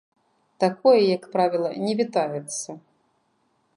Такое, як правіла, не вітаецца.